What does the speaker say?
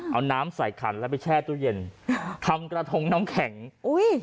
เอาน้ำใส่ขันแล้วไปแช่ตู้เย็นทำกระทงน้ำแข็งอุ้ย